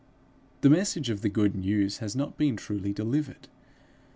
The message of the good news has not been truly delivered.